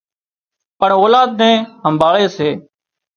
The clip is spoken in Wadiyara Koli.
پڻ اولاد نين همڀاۯي سي